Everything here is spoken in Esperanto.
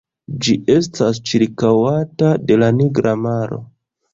Ĝi estas ĉirkaŭata de la Nigra maro.